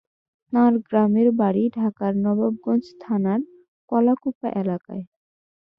তাঁর গ্রামের বাড়ি ঢাকার নবাবগঞ্জ থানার কলাকুপা এলাকায়।